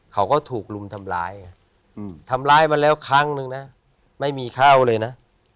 เขาก็ถูกลุมทำร้ายอืมทำร้ายมาแล้วครั้งหนึ่งน่ะไม่มีเข้าเลยน่ะ